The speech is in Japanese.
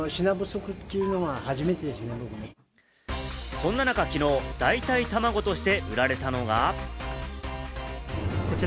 そんな中、昨日、代替たまごとして売られたのが。